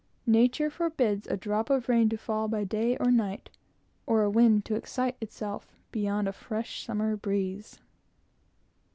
Nature forbids a drop of rain to fall by day or night, or a wind to excite itself beyond a fresh summer breeze.